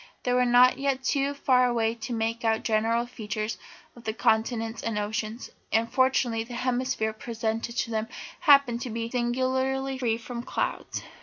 They were not yet too far away to make out the general features of the continents and oceans, and fortunately the hemisphere presented to them happened to be singularly free from clouds.